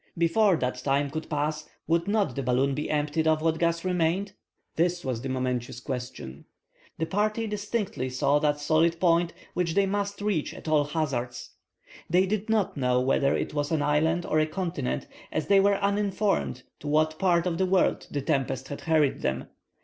Before that time could pass, would not the balloon be emptied of what gas remained? This was the momentous question. The party distinctly saw that solid point which they must reach at all hazards. They did not know whether it was an island or a continent, as they were uninformed as to what part of the world the tempest had hurried them.